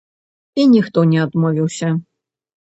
І ніхто не адмовіўся.